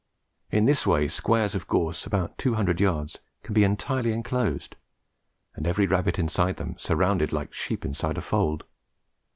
In this way squares of gorse of about two hundred yards can be entirely enclosed, and every rabbit inside them surrounded like sheep inside a fold.